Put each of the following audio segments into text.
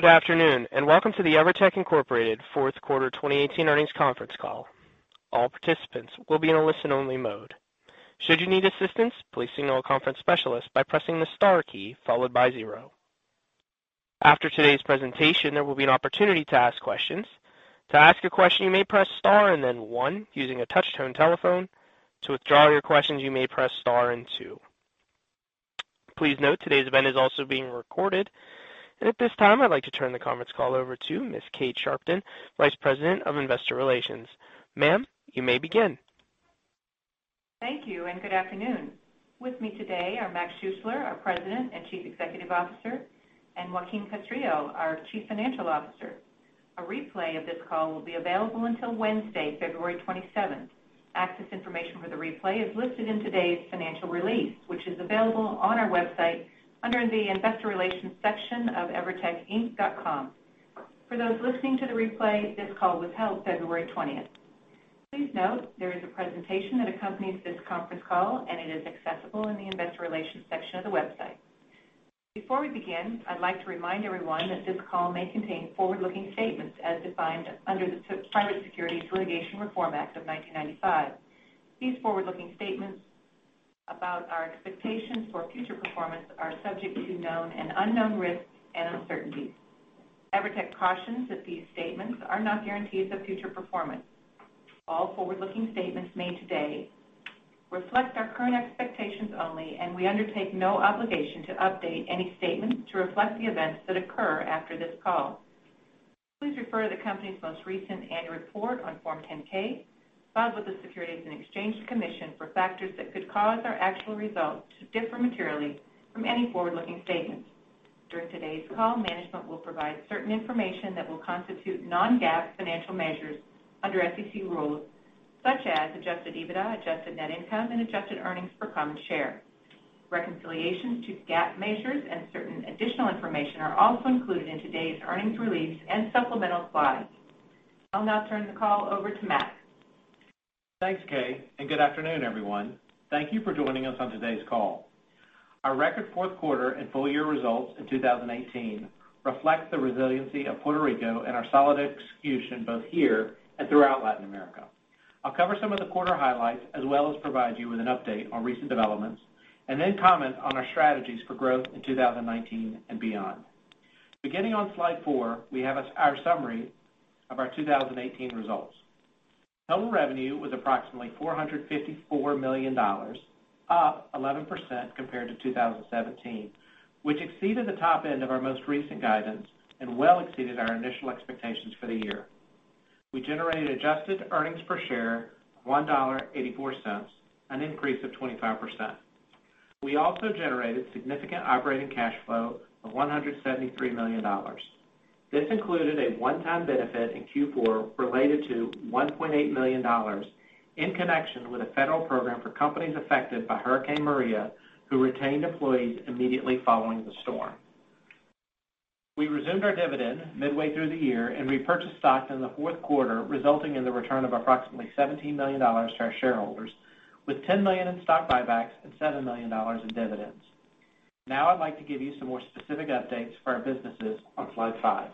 Good afternoon, and welcome to the Evertec, Inc. Fourth Quarter 2018 Earnings Conference Call. All participants will be in a listen-only mode. Should you need assistance, please signal a conference specialist by pressing the star key followed by zero. After today's presentation, there will be an opportunity to ask questions. To ask a question, you may press star and then one using a touch-tone telephone. To withdraw your questions, you may press star and two. Please note, today's event is also being recorded. At this time, I'd like to turn the conference call over to Ms. Kay Sharpton, Vice President of Investor Relations. Ma'am, you may begin. Thank you, and good afternoon. With me today are Mac Schuessler, our President and Chief Executive Officer, and Joaquin Castrillo, our Chief Financial Officer. A replay of this call will be available until Wednesday, February 27th. Access information for the replay is listed in today's financial release, which is available on our website under the Investor Relations section of evertecinc.com. For those listening to the replay, this call was held February 20th. Please note, there is a presentation that accompanies this conference call, and it is accessible in the Investor Relations section of the website. Before we begin, I'd like to remind everyone that this call may contain forward-looking statements as defined under the Private Securities Litigation Reform Act of 1995. These forward-looking statements about our expectations for future performance are subject to known and unknown risks and uncertainties. Evertec cautions that these statements are not guarantees of future performance. All forward-looking statements made today reflect our current expectations only. We undertake no obligation to update any statement to reflect the events that occur after this call. Please refer to the company's most recent annual report on Form 10-K filed with the Securities and Exchange Commission for factors that could cause our actual results to differ materially from any forward-looking statements. During today's call, management will provide certain information that will constitute non-GAAP financial measures under SEC rules such as adjusted EBITDA, adjusted net income, and adjusted earnings per common share. Reconciliations to GAAP measures and certain additional information are also included in today's earnings release and supplemental slides. I'll now turn the call over to Mac. Thanks, Kay, and good afternoon, everyone. Thank you for joining us on today's call. Our record fourth quarter and full-year results in 2018 reflect the resiliency of Puerto Rico and our solid execution both here and throughout Latin America. I'll cover some of the quarter highlights as well as provide you with an update on recent developments, and then comment on our strategies for growth in 2019 and beyond. Beginning on slide four, we have our summary of our 2018 results. Total revenue was approximately $454 million, up 11% compared to 2017, which exceeded the top end of our most recent guidance and well exceeded our initial expectations for the year. We generated adjusted earnings per share of $1.84, an increase of 25%. We also generated significant operating cash flow of $173 million. This included a one-time benefit in Q4 related to $1.8 million in connection with a federal program for companies affected by Hurricane Maria who retained employees immediately following the storm. We resumed our dividend midway through the year and repurchased stocks in the fourth quarter, resulting in the return of approximately $17 million to our shareholders, with $10 million in stock buybacks and $7 million in dividends. I'd like to give you some more specific updates for our businesses on slide five.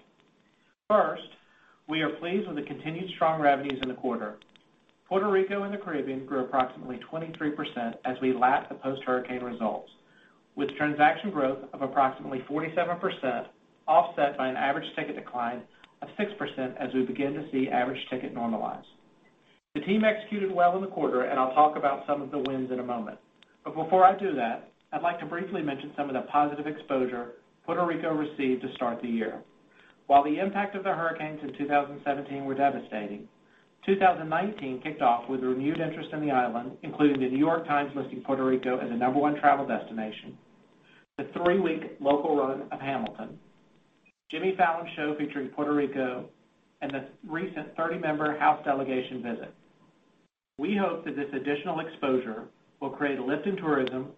First, we are pleased with the continued strong revenues in the quarter. Puerto Rico and the Caribbean grew approximately 23% as we lap the post-hurricane results, with transaction growth of approximately 47% offset by an average ticket decline of 6% as we begin to see average ticket normalize. The team executed well in the quarter, and I'll talk about some of the wins in a moment. Before I do that, I'd like to briefly mention some of the positive exposure Puerto Rico received to start the year. While the impact of the hurricanes in 2017 were devastating, 2019 kicked off with renewed interest in the island, including The New York Times listing Puerto Rico as the number 1 travel destination, the three-week local run of Hamilton, Jimmy Fallon's show featuring Puerto Rico, and the recent 30-member House delegation visit. We hope that this additional exposure will create a lift in tourism,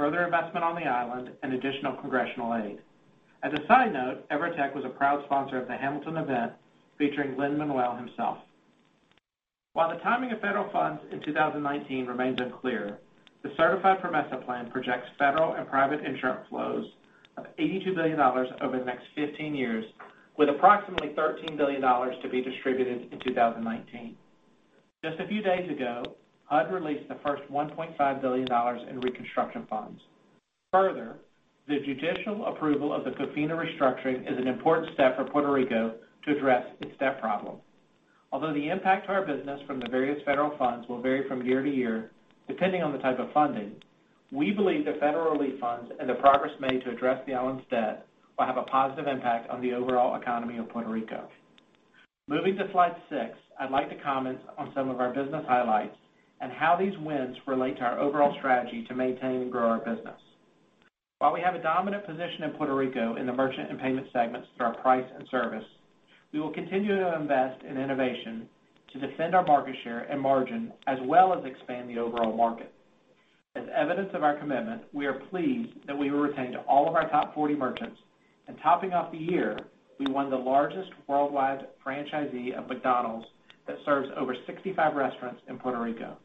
further investment on the island, and additional congressional aid. As a side note, Evertec was a proud sponsor of the Hamilton event featuring Lin-Manuel himself. While the timing of federal funds in 2019 remains unclear, the certified PROMESA plan projects federal and private insurance flows of $82 billion over the next 15 years, with approximately $13 billion to be distributed in 2019. Just a few days ago, HUD released the first $1.5 billion in reconstruction funds. Further, the judicial approval of the COFINA restructuring is an important step for Puerto Rico to address its debt problem. Although the impact to our business from the various federal funds will vary from year to year depending on the type of funding, we believe the federal relief funds and the progress made to address the island's debt will have a positive impact on the overall economy of Puerto Rico. Moving to slide six, I'd like to comment on some of our business highlights and how these wins relate to our overall strategy to maintain and grow our business. While we have a dominant position in Puerto Rico in the merchant and payment segments through our price and service, we will continue to invest in innovation to defend our market share and margin, as well as expand the overall market. As evidence of our commitment, we are pleased that we retained all of our top 40 merchants, and topping off the year, we won the largest worldwide franchisee of McDonald's that serves over 65 restaurants in Puerto Rico.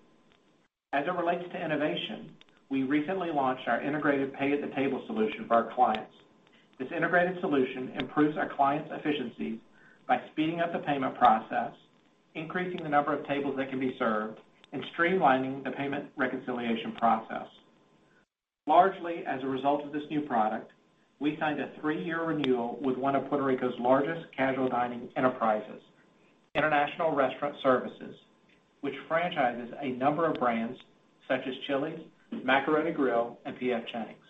It relates to innovation, we recently launched our integrated pay at the table solution for our clients. This integrated solution improves our clients' efficiencies by speeding up the payment process, increasing the number of tables that can be served, and streamlining the payment reconciliation process. Largely as a result of this new product, we signed a three-year renewal with one of Puerto Rico's largest casual dining enterprises, International Restaurant Services, which franchises a number of brands such as Chili's, Romano's Macaroni Grill, and P.F. Chang's.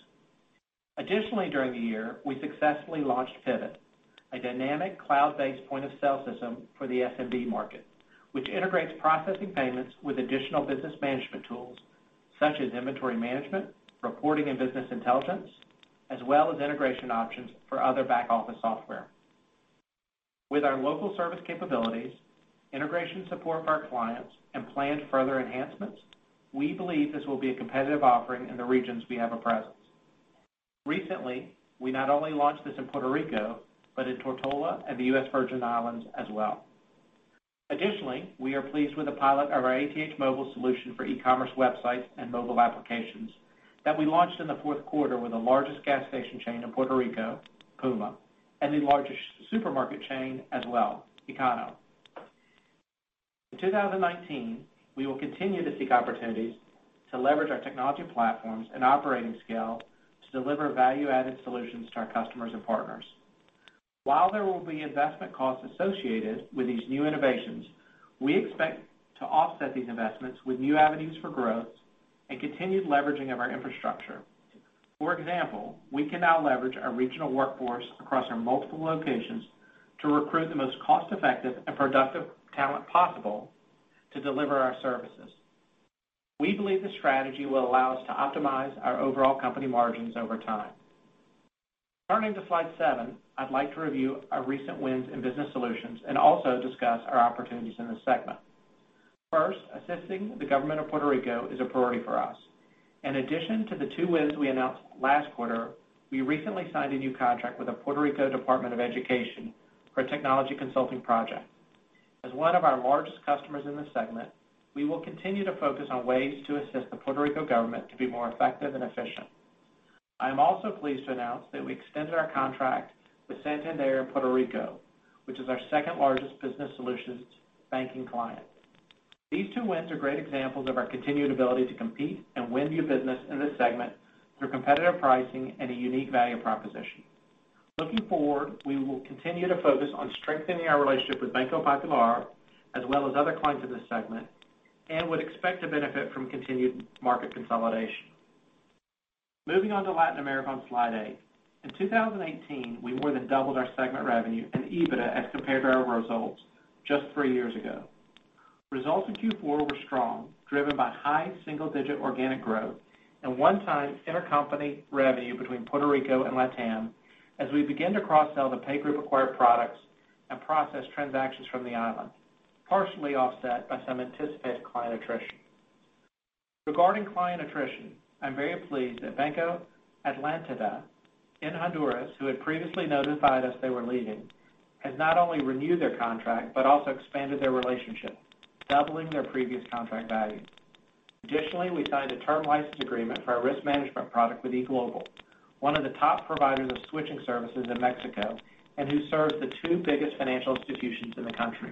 Additionally, during the year, we successfully launched PVOT, a dynamic cloud-based point-of-sale system for the SMB market, which integrates processing payments with additional business management tools such as inventory management, reporting and business intelligence, as well as integration options for other back-office software. With our local service capabilities, integration support for our clients, and planned further enhancements, we believe this will be a competitive offering in the regions we have a presence. Recently, we not only launched this in Puerto Rico, but in Tortola and the U.S. Virgin Islands as well. Additionally, we are pleased with the pilot of our ATH Móvil solution for e-commerce websites and mobile applications that we launched in the fourth quarter with the largest gas station chain in Puerto Rico, Puma, and the largest supermarket chain as well, Econo. In 2019, we will continue to seek opportunities to leverage our technology platforms and operating scale to deliver value-added solutions to our customers and partners. While there will be investment costs associated with these new innovations, we expect to offset these investments with new avenues for growth and continued leveraging of our infrastructure. For example, we can now leverage our regional workforce across our multiple locations to recruit the most cost-effective and productive talent possible to deliver our services. We believe this strategy will allow us to optimize our overall company margins over time. Turning to slide seven, I'd like to review our recent wins in business solutions and also discuss our opportunities in this segment. First, assisting the government of Puerto Rico is a priority for us. In addition to the two wins we announced last quarter, we recently signed a new contract with the Puerto Rico Department of Education for a technology consulting project. As one of our largest customers in this segment, we will continue to focus on ways to assist the Puerto Rico government to be more effective and efficient. I am also pleased to announce that we extended our contract with Santander Puerto Rico, which is our second-largest business solutions banking client. These two wins are great examples of our continued ability to compete and win new business in this segment through competitive pricing and a unique value proposition. Looking forward, we will continue to focus on strengthening our relationship with Banco Popular, as well as other clients in this segment, and would expect to benefit from continued market consolidation. Moving on to Latin America on slide eight. In 2018, we more than doubled our segment revenue and EBITDA as compared to our results just three years ago. Results in Q4 were strong, driven by high single-digit organic growth and one-time intercompany revenue between Puerto Rico and LatAm as we begin to cross-sell the PayGroup acquired products and process transactions from the island, partially offset by some anticipated client attrition. Regarding client attrition, I am very pleased that Banco Atlántida in Honduras, who had previously notified us they were leaving, has not only renewed their contract, but also expanded their relationship, doubling their previous contract value. Additionally, we signed a term license agreement for our risk management product with eGlobal, one of the top providers of switching services in Mexico, and who serves the two biggest financial institutions in the country.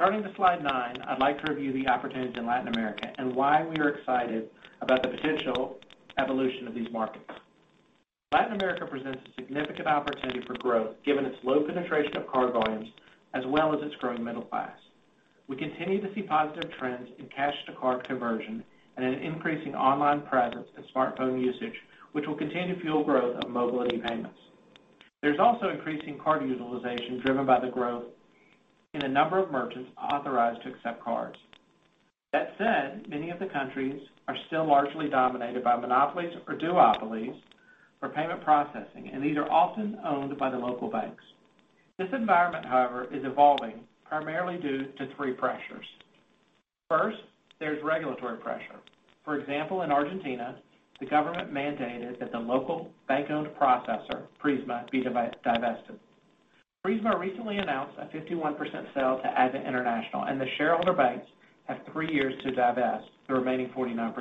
Turning to slide nine, I'd like to review the opportunities in Latin America and why we are excited about the potential evolution of these markets. Latin America presents a significant opportunity for growth given its low penetration of card volumes, as well as its growing middle class. We continue to see positive trends in cash-to-card conversion and an increasing online presence and smartphone usage, which will continue to fuel growth of mobility payments. There is also increasing card utilization driven by the growth in the number of merchants authorized to accept cards. That said, many of the countries are still largely dominated by monopolies or duopolies for payment processing, and these are often owned by the local banks. This environment, however, is evolving primarily due to three pressures. First, there is regulatory pressure. For example, in Argentina, the government mandated that the local bank-owned processor, Prisma, be divested. Prisma recently announced a 51% sale to Advent International, and the shareholder banks have three years to divest the remaining 49%.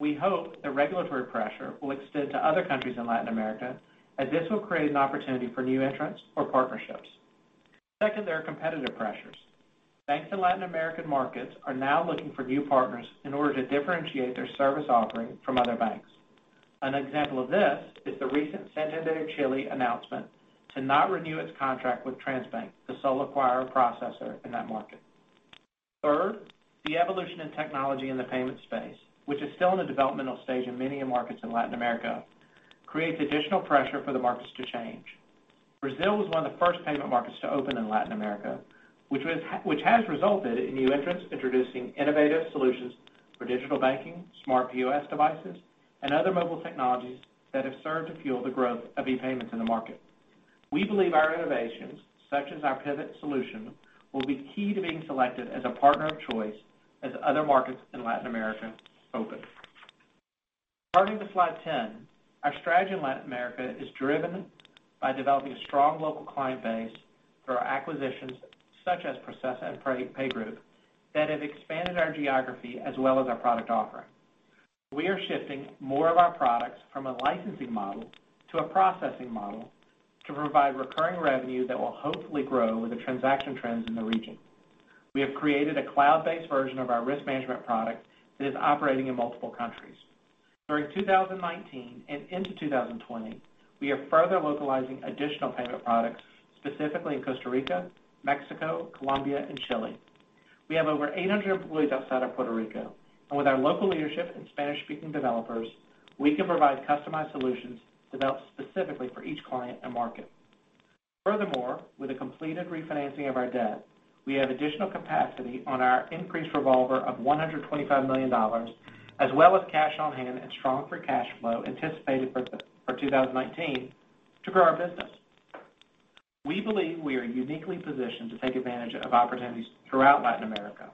We hope the regulatory pressure will extend to other countries in Latin America, as this will create an opportunity for new entrants or partnerships. Second, there are competitive pressures. Banks in Latin American markets are now looking for new partners in order to differentiate their service offering from other banks. An example of this is the recent Santander Chile announcement to not renew its contract with Transbank, the sole acquirer processor in that market. Third, the evolution in technology in the payment space, which is still in the developmental stage in many markets in Latin America, creates additional pressure for the markets to change. Brazil was one of the first payment markets to open in Latin America, which has resulted in new entrants introducing innovative solutions for digital banking, smart POS devices, and other mobile technologies that have served to fuel the growth of e-payments in the market. We believe our innovations, such as our PVOT solution, will be key to being selected as a partner of choice as other markets in Latin America open. Turning to slide 10. Our strategy in Latin America is driven by developing a strong local client base through our acquisitions, such as Processa and PayGroup, that have expanded our geography as well as our product offering. We are shifting more of our products from a licensing model to a processing model to provide recurring revenue that will hopefully grow with the transaction trends in the region. We have created a cloud-based version of our risk management product that is operating in multiple countries. During 2019 and into 2020, we are further localizing additional payment products, specifically in Costa Rica, Mexico, Colombia, and Chile. We have over 800 employees outside of Puerto Rico, and with our local leadership and Spanish-speaking developers, we can provide customized solutions developed specifically for each client and market. Furthermore, with the completed refinancing of our debt, we have additional capacity on our increased revolver of $125 million, as well as cash on hand and strong free cash flow anticipated for 2019 to grow our business. We believe we are uniquely positioned to take advantage of opportunities throughout Latin America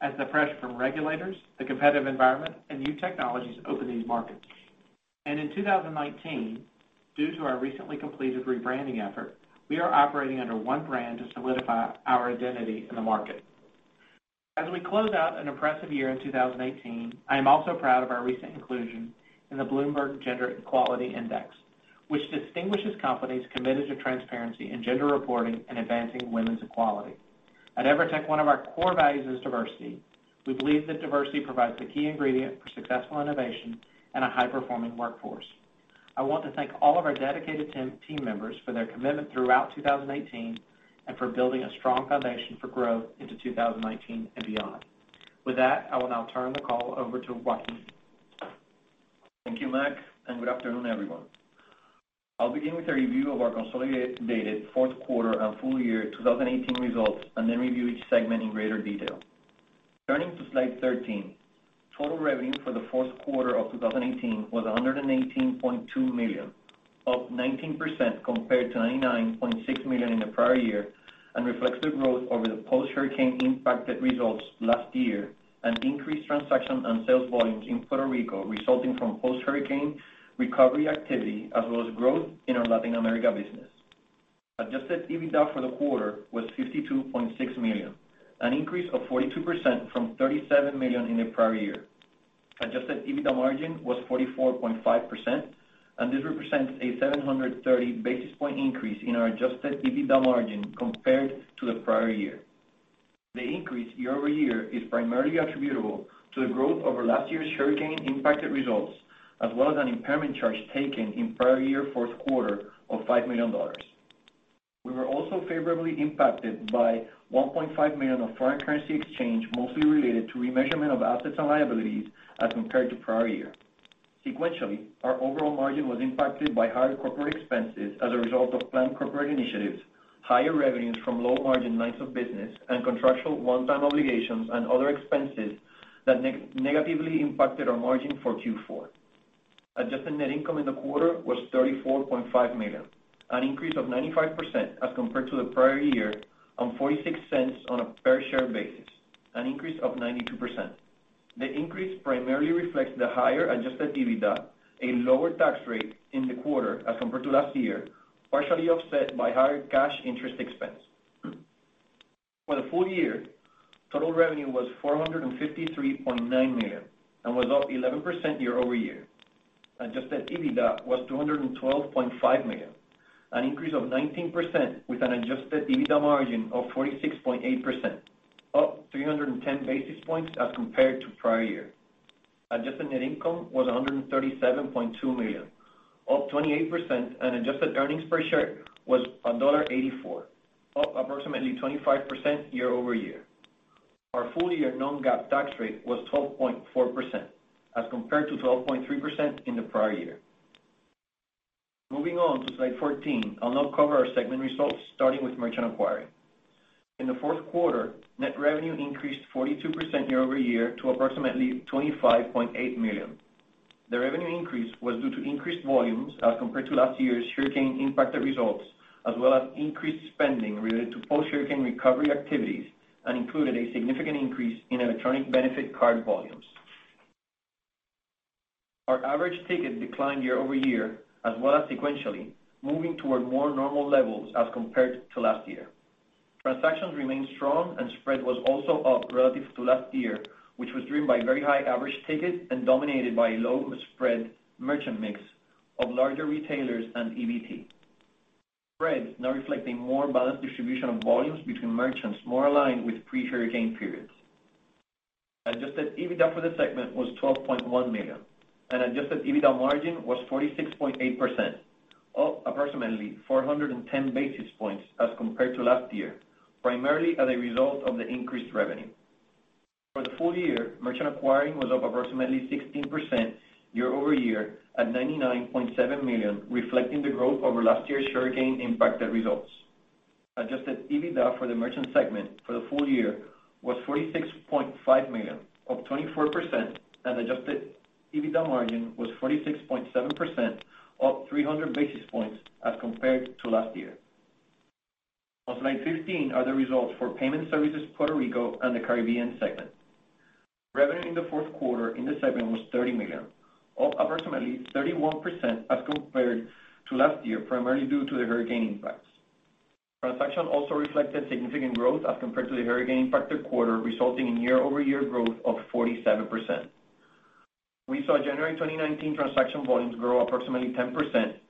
as the pressure from regulators, the competitive environment, and new technologies open these markets. In 2019, due to our recently completed rebranding effort, we are operating under one brand to solidify our identity in the market. As we close out an impressive year in 2018, I am also proud of our recent inclusion in the Bloomberg Gender-Equality Index, which distinguishes companies committed to transparency in gender reporting and advancing women's equality. At Evertec, one of our core values is diversity. We believe that diversity provides the key ingredient for successful innovation and a high-performing workforce. I want to thank all of our dedicated team members for their commitment throughout 2018 and for building a strong foundation for growth into 2019 and beyond. With that, I will now turn the call over to Joaquin. Thank you, Mac, and good afternoon, everyone. I'll begin with a review of our consolidated fourth quarter and full year 2018 results and then review each segment in greater detail. Turning to slide 13. Total revenue for the fourth quarter of 2018 was $118.2 million, up 19% compared to $99.6 million in the prior year and reflects the growth over the post-hurricane impacted results last year and increased transaction and sales volumes in Puerto Rico resulting from post-hurricane recovery activity as well as growth in our Latin America business. Adjusted EBITDA for the quarter was $52.6 million, an increase of 42% from $37 million in the prior year. Adjusted EBITDA margin was 44.5%, and this represents a 730 basis point increase in our adjusted EBITDA margin compared to the prior year. The increase year-over-year is primarily attributable to the growth over last year's hurricane-impacted results as well as an impairment charge taken in prior year fourth quarter of $5 million. We were also favorably impacted by $1.5 million of foreign currency exchange mostly related to remeasurement of assets and liabilities as compared to prior year. Sequentially, our overall margin was impacted by higher corporate expenses as a result of planned corporate initiatives, higher revenues from low-margin lines of business, and contractual one-time obligations and other expenses that negatively impacted our margin for Q4. Adjusted net income in the quarter was $34.5 million, an increase of 95% as compared to the prior year on $0.46 on a per-share basis, an increase of 92%. The increase primarily reflects the higher adjusted EBITDA, a lower tax rate in the quarter as compared to last year, partially offset by higher cash interest expense. For the full year, total revenue was $453.9 million and was up 11% year-over-year. Adjusted EBITDA was $212.5 million, an increase of 19% with an adjusted EBITDA margin of 46.8%, up 310 basis points as compared to prior year. Adjusted net income was $137.2 million, up 28%, and adjusted earnings per share was $1.84, up approximately 25% year-over-year. Our full-year non-GAAP tax rate was 12.4% as compared to 12.3% in the prior year. Moving on to slide 14. I'll now cover our segment results, starting with merchant acquiring. In the fourth quarter, net revenue increased 42% year-over-year to approximately $25.8 million. The revenue increase was due to increased volumes as compared to last year's hurricane-impacted results, as well as increased spending related to post-hurricane recovery activities and included a significant increase in electronic benefit card volumes. Our average ticket declined year-over-year, as well as sequentially, moving toward more normal levels as compared to last year. Transactions remained strong and spread was also up relative to last year, which was driven by very high average ticket and dominated by low spread merchant mix of larger retailers and EBT. Spread now reflecting more balanced distribution of volumes between merchants more aligned with pre-hurricane periods. Adjusted EBITDA for the segment was $12.1 million, and adjusted EBITDA margin was 46.8%, up approximately 410 basis points as compared to last year, primarily as a result of the increased revenue. For the full year, merchant acquiring was up approximately 16% year-over-year at $99.7 million, reflecting the growth over last year's hurricane-impacted results. Adjusted EBITDA for the merchant segment for the full year was $46.5 million, up 24%, and adjusted EBITDA margin was 46.7%, up 300 basis points as compared to last year. On slide 15 are the results for Payment Services Puerto Rico and the Caribbean segment. Revenue in the fourth quarter in the segment was $30 million, up approximately 31% as compared to last year, primarily due to the hurricane impacts. Transactions also reflected significant growth as compared to the hurricane-impacted quarter, resulting in year-over-year growth of 47%. We saw January 2019 transaction volumes grow approximately 10%,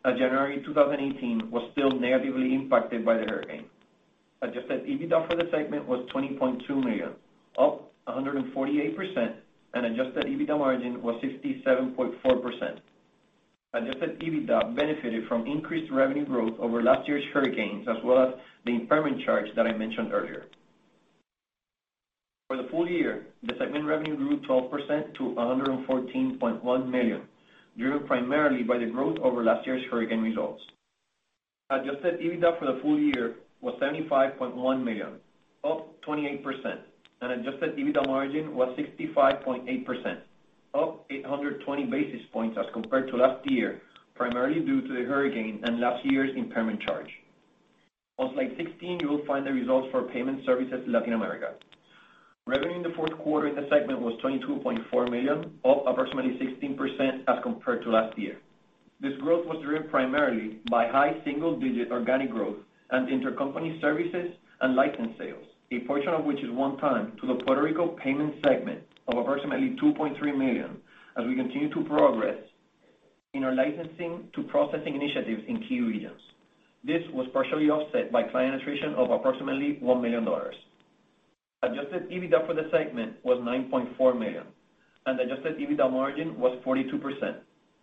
as January 2018 was still negatively impacted by the hurricane. Adjusted EBITDA for the segment was $20.2 million, up 148%, and adjusted EBITDA margin was 67.4%. Adjusted EBITDA benefited from increased revenue growth over last year's hurricanes, as well as the impairment charge that I mentioned earlier. For the full year, the segment revenue grew 12% to $114.1 million, driven primarily by the growth over last year's hurricane results. Adjusted EBITDA for the full year was $75.1 million, up 28%, and adjusted EBITDA margin was 65.8%, up 820 basis points as compared to last year, primarily due to the hurricane and last year's impairment charge. On slide 16, you will find the results for Payment Services Latin America. Revenue in the fourth quarter in the segment was $22.4 million, up approximately 16% as compared to last year. This growth was driven primarily by high single-digit organic growth and intercompany services and license sales, a portion of which is one-time to the Puerto Rico payment segment of approximately $2.3 million as we continue to progress in our licensing to processing initiatives in key regions. This was partially offset by client attrition of approximately $1 million. Adjusted EBITDA for the segment was $9.4 million and adjusted EBITDA margin was 42%,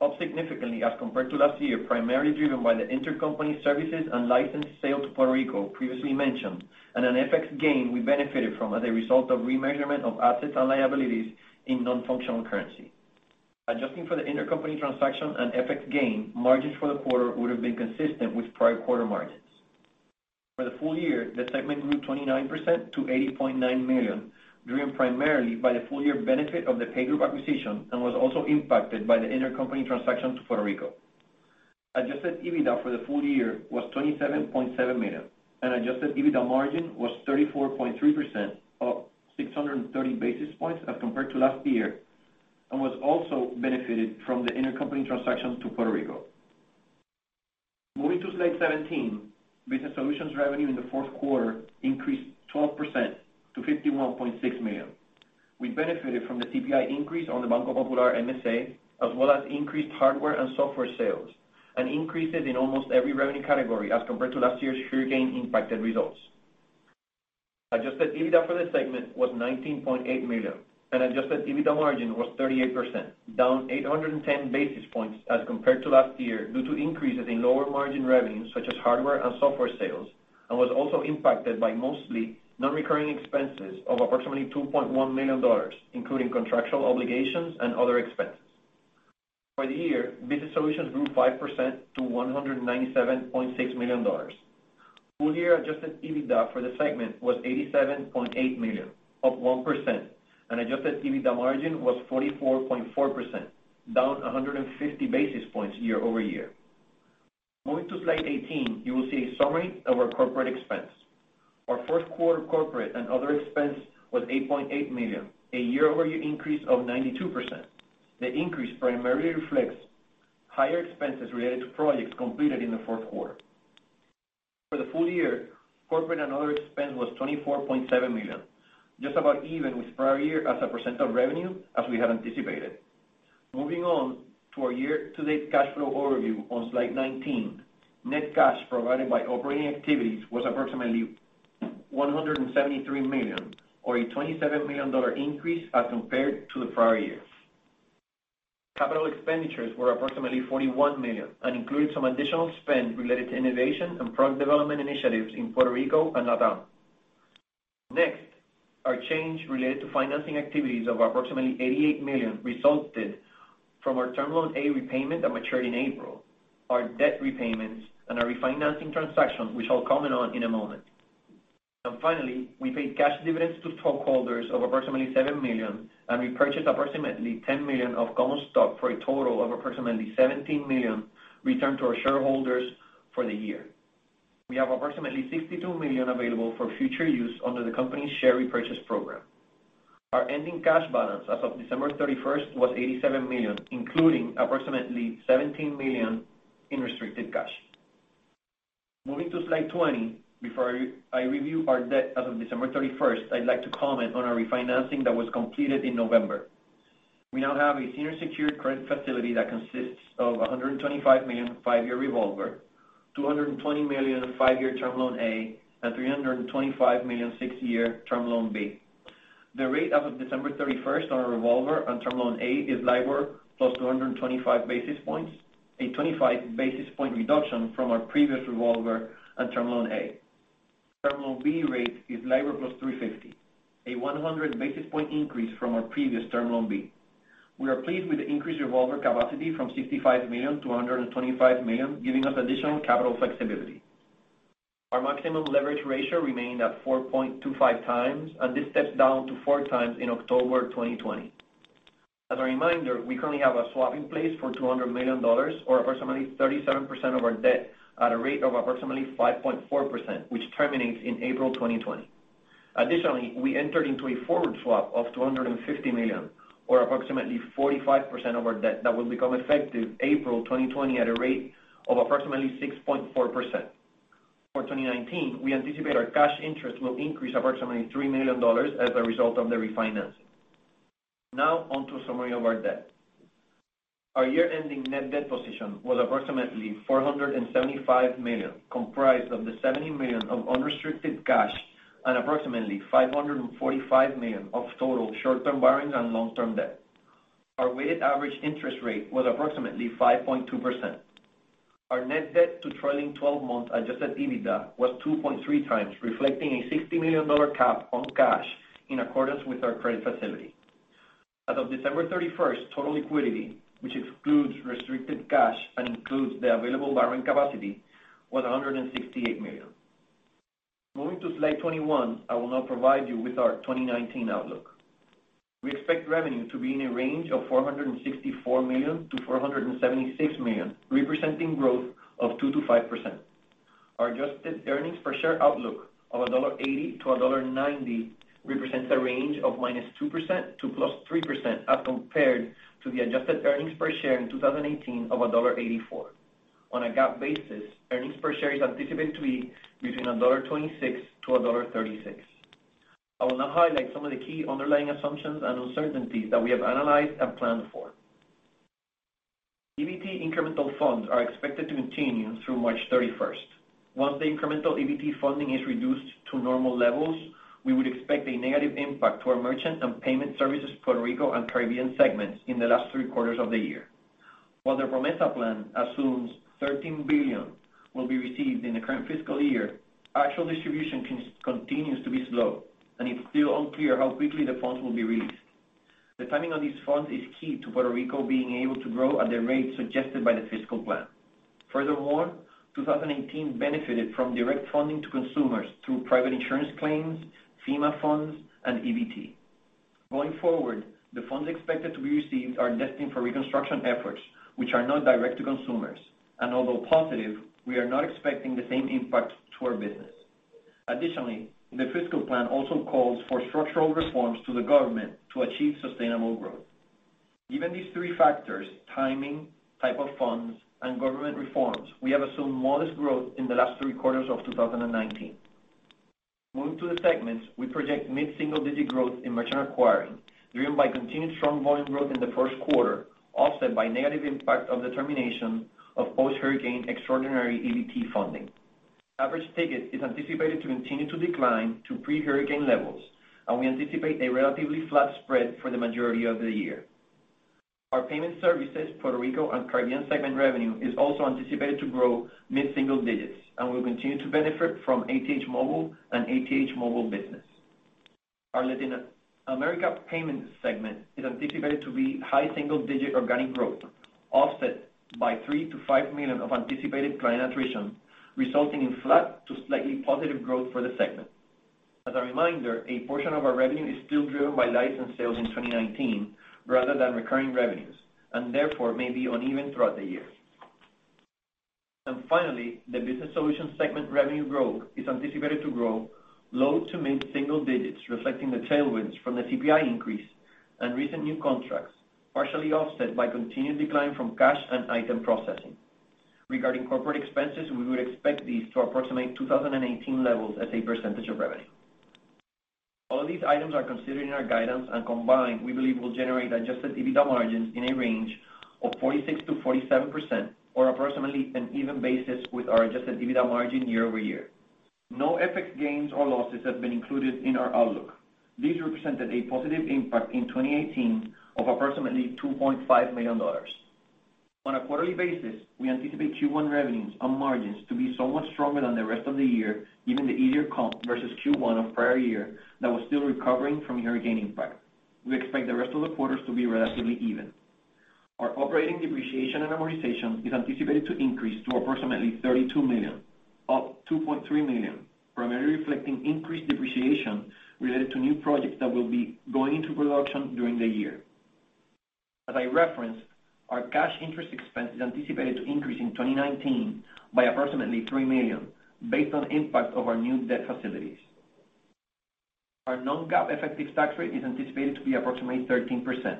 up significantly as compared to last year, primarily driven by the intercompany services and license sale to Puerto Rico previously mentioned, and an FX gain we benefited from as a result of remeasurement of assets and liabilities in non-functional currency. Adjusting for the intercompany transaction and FX gain, margins for the quarter would've been consistent with prior quarter margins. For the full year, the segment grew 29% to $80.9 million, driven primarily by the full-year benefit of the PayGroup acquisition and was also impacted by the intercompany transaction to Puerto Rico. Adjusted EBITDA for the full year was $27.7 million, and adjusted EBITDA margin was 34.3%, up 630 basis points as compared to last year, and was also benefited from the intercompany transactions to Puerto Rico. Moving to slide 17, business solutions revenue in the fourth quarter increased 12% to $51.6 million. We benefited from the CPI increase on the Banco Popular MSA, as well as increased hardware and software sales, and increases in almost every revenue category as compared to last year's hurricane-impacted results. Adjusted EBITDA for the segment was $19.8 million, and adjusted EBITDA margin was 38%, down 810 basis points as compared to last year due to increases in lower margin revenue, such as hardware and software sales, and was also impacted by mostly non-recurring expenses of approximately $2.1 million, including contractual obligations and other expenses. For the year, business solutions grew 5% to $197.6 million. Full-year adjusted EBITDA for the segment was $87.8 million, up 1%, and adjusted EBITDA margin was 44.4%, down 150 basis points year-over-year. Moving to slide 18, you will see a summary of our corporate expense. Our first quarter corporate and other expense was $8.8 million, a year-over-year increase of 92%. The increase primarily reflects higher expenses related to projects completed in the fourth quarter. For the full year, corporate and other expense was $24.7 million, just about even with prior year as a percent of revenue as we had anticipated. Moving on to our year-to-date cash flow overview on slide 19. Net cash provided by operating activities was approximately $173 million, or a $27 million increase as compared to the prior year. Capital expenditures were approximately $41 million and include some additional spend related to innovation and product development initiatives in Puerto Rico and Latin. Next, our change related to financing activities of approximately $88 million resulted from our Term Loan A repayment that matured in April, our debt repayments, and our refinancing transaction, which I'll comment on in a moment. Finally, we paid cash dividends to stockholders of approximately $7 million, and repurchased approximately $10 million of common stock for a total of approximately $17 million returned to our shareholders for the year. We have approximately $62 million available for future use under the company's share repurchase program. Our ending cash balance as of December 31st was $87 million, including approximately $17 million in restricted cash. Moving to slide 20, before I review our debt as of December 31st, I'd like to comment on our refinancing that was completed in November. We now have a senior secured credit facility that consists of $125 million five-year revolver, $220 million five-year Term Loan A, and $325 million six-year Term Loan B. The rate as of December 31st on our revolver on Term Loan A is LIBOR plus 225 basis points, a 25-basis-point reduction from our previous revolver and Term Loan A. Term Loan B rate is LIBOR plus 350, a 100-basis-point increase from our previous Term Loan B. We are pleased with the increased revolver capacity from $65 million to $125 million, giving us additional capital flexibility. Our maximum leverage ratio remained at 4.25 times, and this steps down to four times in October 2020. As a reminder, we currently have a swap in place for $200 million or approximately 37% of our debt at a rate of approximately 5.4%, which terminates in April 2020. Additionally, we entered into a forward swap of $250 million, or approximately 45% of our debt that will become effective April 2020 at a rate of approximately 6.4%. For 2019, we anticipate our cash interest will increase approximately $3 million as a result of the refinancing. Now on to a summary of our debt. Our year-ending net debt position was approximately $475 million, comprised of the $70 million of unrestricted cash and approximately $545 million of total short-term borrowings and long-term debt. Our weighted average interest rate was approximately 5.2%. Our net debt to trailing 12-month adjusted EBITDA was 2.3 times, reflecting a $60 million cap on cash in accordance with our credit facility. As of December 31st, total liquidity, which excludes restricted cash and includes the available borrowing capacity, was $168 million. Moving to slide 21, I will now provide you with our 2019 outlook. We expect revenue to be in a range of $464 million-$476 million, representing growth of 2%-5%. Our adjusted earnings per share outlook of $1.80-$1.90 represents a range of -2%-+3% as compared to the adjusted earnings per share in 2018 of $1.84. On a GAAP basis, earnings per share is anticipated to be between $1.26-$1.36. I will now highlight some of the key underlying assumptions and uncertainties that we have analyzed and planned for. EBT incremental funds are expected to continue through March 31st. Once the incremental EBT funding is reduced to normal levels, we would expect a negative impact to our merchant and payment services Puerto Rico and Caribbean segments in the last three quarters of the year. While the PROMESA plan assumes $13 billion will be received in the current fiscal year, actual distribution continues to be slow, and it's still unclear how quickly the funds will be released. The timing of these funds is key to Puerto Rico being able to grow at the rate suggested by the fiscal plan. Furthermore, 2018 benefited from direct funding to consumers through private insurance claims, FEMA funds, and EBT. Going forward, the funds expected to be received are destined for reconstruction efforts, which are not direct to consumers, and although positive, we are not expecting the same impact to our business. Additionally, the fiscal plan also calls for structural reforms to the government to achieve sustainable growth. Given these three factors, timing, type of funds, and government reforms, we have assumed modest growth in the last three quarters of 2019. Moving to the segments, we project mid-single-digit growth in merchant acquiring, driven by continued strong volume growth in the first quarter, offset by negative impact of the termination of post-hurricane extraordinary EBT funding. Average ticket is anticipated to continue to decline to pre-hurricane levels, and we anticipate a relatively flat spread for the majority of the year. Our payment services Puerto Rico and Caribbean segment revenue is also anticipated to grow mid-single digits and will continue to benefit from ATH Móvil and ATH Móvil Business. Our Latin America payments segment is anticipated to be high single-digit organic growth, offset by $3 million-$5 million of anticipated client attrition, resulting in flat to slightly positive growth for the segment. As a reminder, a portion of our revenue is still driven by license sales in 2019 rather than recurring revenues, and therefore may be uneven throughout the year. Finally, the business solutions segment revenue growth is anticipated to grow low to mid-single digits, reflecting the tailwinds from the CPI increase and recent new contracts, partially offset by continued decline from cash and item processing. Regarding corporate expenses, we would expect these to approximate 2018 levels as a percentage of revenue. All of these items are considered in our guidance, and combined, we believe will generate adjusted EBITDA margins in a range of 46%-47%, or approximately an even basis with our adjusted EBITDA margin year-over-year. No FX gains or losses have been included in our outlook. These represented a positive impact in 2018 of approximately $2.5 million. On a quarterly basis, we anticipate Q1 revenues on margins to be somewhat stronger than the rest of the year, given the easier comp versus Q1 of prior year that was still recovering from hurricane impact. We expect the rest of the quarters to be relatively even. Our operating depreciation and amortization is anticipated to increase to approximately $32 million, up $2.3 million, primarily reflecting increased depreciation related to new projects that will be going into production during the year. As I referenced, our cash interest expense is anticipated to increase in 2019 by approximately $3 million based on impact of our new debt facilities. Our non-GAAP effective tax rate is anticipated to be approximately 13%.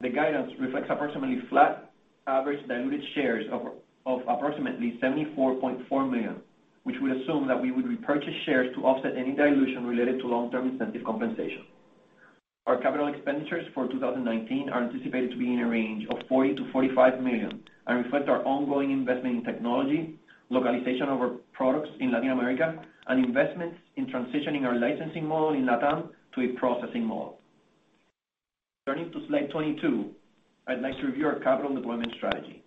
The guidance reflects approximately flat average diluted shares of approximately 74.4 million, which we assume that we would repurchase shares to offset any dilution related to long-term incentive compensation. Our capital expenditures for 2019 are anticipated to be in a range of $40 million-$45 million and reflect our ongoing investment in technology, localization of our products in Latin America, and investments in transitioning our licensing model in LATAM to a processing model. Turning to slide 22, I'd like to review our capital deployment strategy.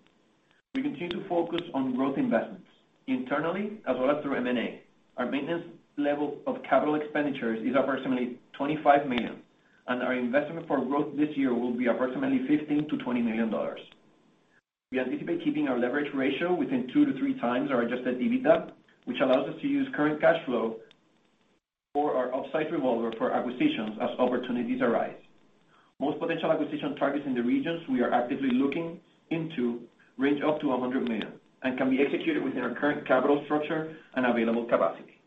We continue to focus on growth investments internally as well as through M&A. Our maintenance level of capital expenditures is approximately $25 million, and our investment for growth this year will be approximately $15 million-$20 million. We anticipate keeping our leverage ratio within 2-3 times our adjusted EBITDA, which allows us to use current cash flow or our offsite revolver for acquisitions as opportunities arise. Most potential acquisition targets in the regions we are actively looking into range up to $100 million and can be executed within our current capital structure and available capacity.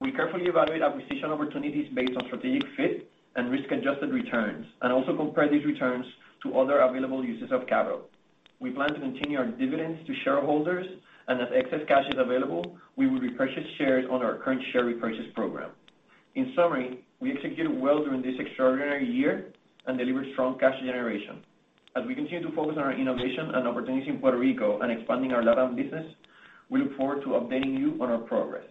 We carefully evaluate acquisition opportunities based on strategic fit and risk-adjusted returns and also compare these returns to other available uses of capital. We plan to continue our dividends to shareholders, and as excess cash is available, we will repurchase shares on our current share repurchase program. In summary, we executed well during this extraordinary year and delivered strong cash generation. As we continue to focus on our innovation and opportunities in Puerto Rico and expanding our LatAm business, we look forward to updating you on our progress.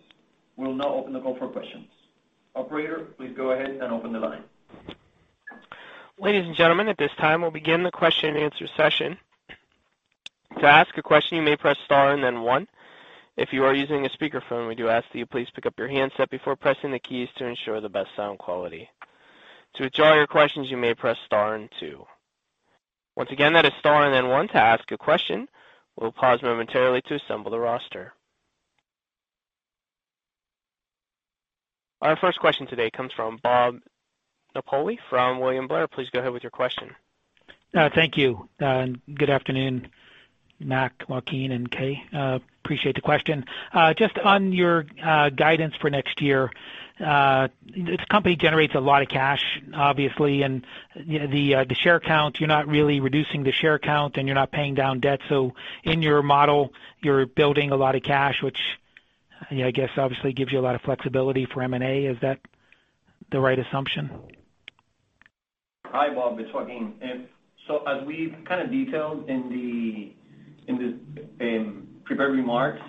We'll now open the call for questions. Operator, please go ahead and open the line. Ladies and gentlemen, at this time we'll begin the question and answer session. To ask a question, you may press star and then one. If you are using a speakerphone, we do ask that you please pick up your handset before pressing the keys to ensure the best sound quality. To withdraw your questions, you may press star and two. Once again, that is star and then one to ask a question. We'll pause momentarily to assemble the roster. Our first question today comes from Robert Napoli from William Blair. Please go ahead with your question. Thank you. Good afternoon, Mac, Joaquin, and Kay. Appreciate the question. Just on your guidance for next year. This company generates a lot of cash, obviously. The share count, you're not really reducing the share count. You're not paying down debt. In your model, you're building a lot of cash, which I guess obviously gives you a lot of flexibility for M&A. Is that the right assumption? Hi, Bob. It's Joaquin. As we've kind of detailed in the prepared remarks,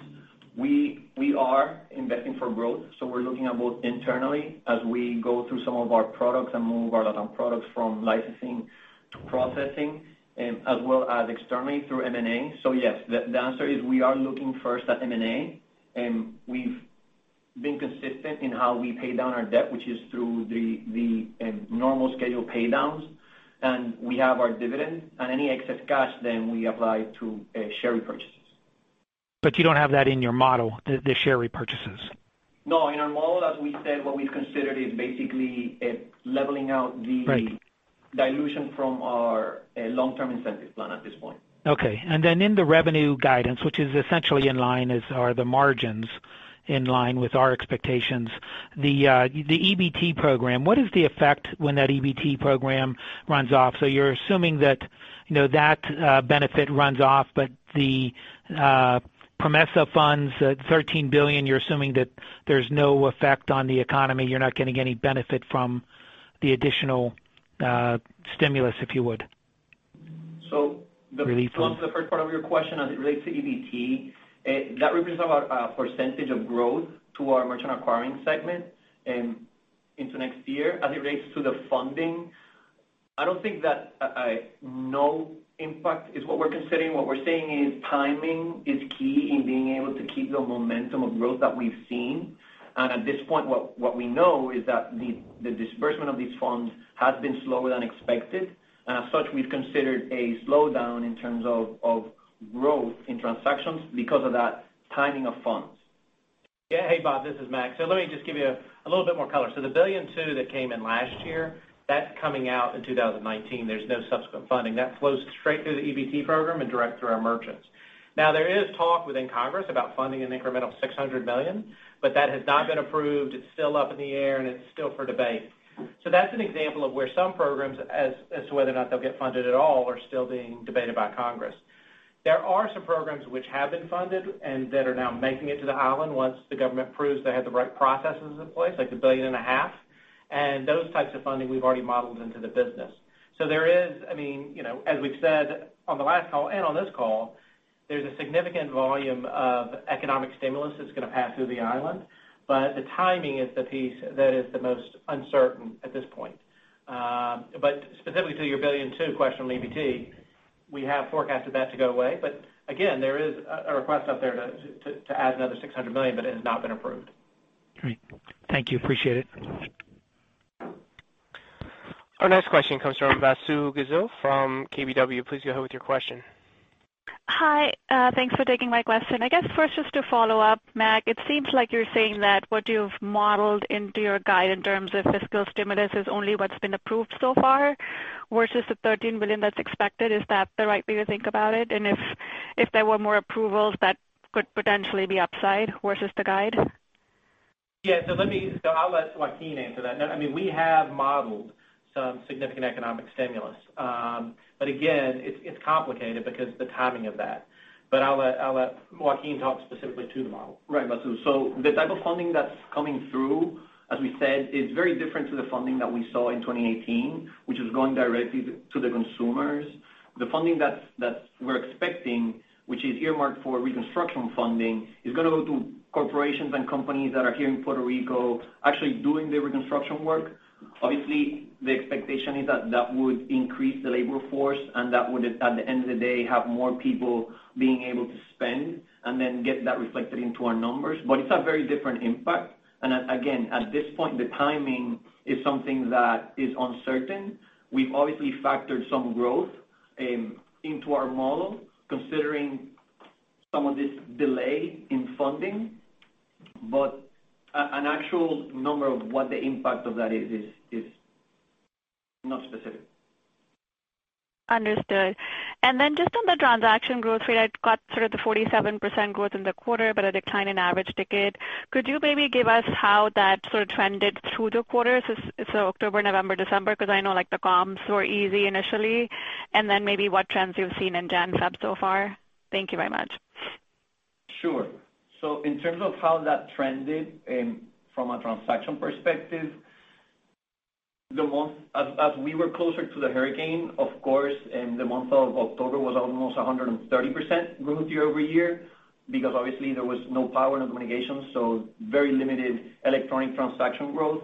we are investing for growth. We're looking at both internally as we go through some of our products and move our LatAm products from licensing to processing, as well as externally through M&A. Yes, the answer is we are looking first at M&A. We've been consistent in how we pay down our debt, which is through the normal schedule pay downs. We have our dividends. Any excess cash then we apply to share repurchases. You don't have that in your model, the share repurchases? No. In our model, as we said, what we've considered is basically leveling out. Right dilution from our long-term incentive plan at this point. Okay. In the revenue guidance, which is essentially in line as are the margins in line with our expectations, the EBT program, what is the effect when that EBT program runs off? You're assuming that that benefit runs off, but the PROMESA funds, the $13 billion, you're assuming that there's no effect on the economy, you're not getting any benefit from the additional stimulus, if you would? So- Relief fund To answer the first part of your question, as it relates to EBT, that represents our percentage of growth to our merchant acquiring segment into next year. As it relates to the funding, I don't think that no impact is what we're considering. What we're saying is timing is key in being able to keep the momentum of growth that we've seen. At this point, what we know is that the disbursement of these funds has been slower than expected, and as such, we've considered a slowdown in terms of growth in transactions because of that timing of funds. Yeah. Hey, Bob, this is Mac. Let me just give you a little bit more color. The $1.2 billion that came in last year, that's coming out in 2019. There's no subsequent funding. That flows straight through the EBT program and direct through our merchants. Now, there is talk within Congress about funding an incremental $600 million, but that has not been approved. It's still up in the air, and it's still for debate. That's an example of where some programs as to whether or not they'll get funded at all are still being debated by Congress. There are some programs which have been funded and that are now making it to the island once the government proves they have the right processes in place, like the $1.5 billion. Those types of funding we've already modeled into the business. There is, as we've said on the last call and on this call, there's a significant volume of economic stimulus that's going to pass through the island. The timing is the piece that is the most uncertain at this point. Specifically to your $1.2 billion question on EBT, we have forecasted that to go away, but again, there is a request out there to add another $600 million, it has not been approved. Great. Thank you. Appreciate it. Our next question comes from Vasu Govil from KBW. Please go ahead with your question. Hi. Thanks for taking my question. I guess first just to follow up, Mac, it seems like you're saying that what you've modeled into your guide in terms of fiscal stimulus is only what's been approved so far versus the $13 billion that's expected. Is that the right way to think about it? If there were more approvals, that could potentially be upside versus the guide? Yeah. I'll let Joaquin answer that. No, we have modeled some significant economic stimulus. Again, it's complicated because the timing of that. I'll let Joaquin talk specifically to the model. Right, Vasu. The type of funding that's coming through, as we said, is very different to the funding that we saw in 2018 which is going directly to the consumers. The funding that we're expecting, which is earmarked for reconstruction funding, is going to go to corporations and companies that are here in Puerto Rico actually doing the reconstruction work. Obviously, the expectation is that that would increase the labor force and that would, at the end of the day, have more people being able to spend and then get that reflected into our numbers. It's a very different impact. Again, at this point, the timing is something that is uncertain. We've obviously factored some growth into our model considering some of this delay in funding, but an actual number of what the impact of that is not specific. Understood. Just on the transaction growth rate, I'd got sort of the 47% growth in the quarter but a decline in average ticket. Could you maybe give us how that sort of trended through the quarters, October, November, December, because I know the comms were easy initially, and then maybe what trends you've seen in January, February so far? Thank you very much. Sure. In terms of how that trended from a transaction perspective, as we were closer to the hurricane, of course, the month of October was almost 130% growth year-over-year because obviously there was no power, no communication, very limited electronic transaction growth.